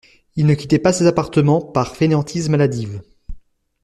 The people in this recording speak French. Il ne quittait pas ses appartements par fainéantise maladive.